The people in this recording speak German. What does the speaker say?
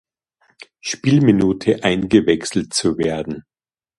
Spielminute eingewechselt zu werden.